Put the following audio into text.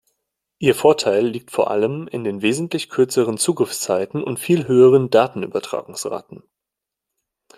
Ihr Vorteil liegt vor allem in den wesentlich kürzeren Zugriffszeiten und viel höheren Datenübertragungsraten.